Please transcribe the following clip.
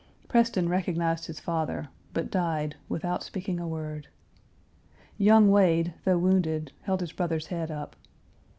Preston recognized his father, but died without speaking a word. Young Wade, though wounded, held his brother's head up.